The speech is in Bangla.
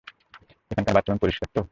এখানকার বাথরুম পরিষ্কার তো?